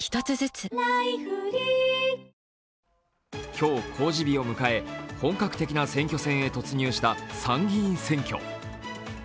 今日、公示日を迎え、本格的な選挙戦へ突入した参議院選挙。